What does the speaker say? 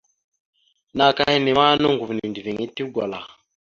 Naka henne ma noŋgov nendəviŋ etew gwala.